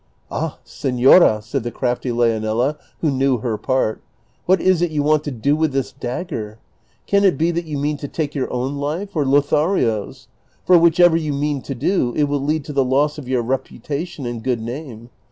"Ah, seiiora," said the crafty Leonela, who knew lier part, " what is it you want to do with this dagger? Can it be tliat you mean to take your own life, or Lothario's ? for whichever you mean to do, it will lead to the loss of your reputation and good name.